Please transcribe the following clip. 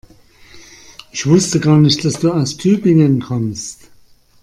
Ich wusste gar nicht, dass du aus Tübingen kommst